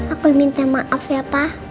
aku minta maaf ya pak